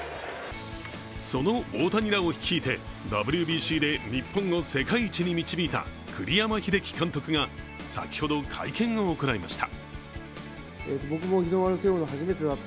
その大谷らを率いてＷＢＣで日本を世界一に導いた栗山英樹監督が先ほど会見を行いました。